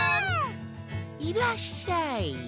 いらっしゃい。